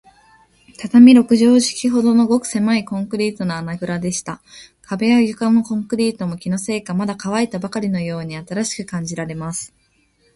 畳六畳敷きほどの、ごくせまいコンクリートの穴ぐらでした。壁や床のコンクリートも、気のせいか、まだかわいたばかりのように新しく感じられます。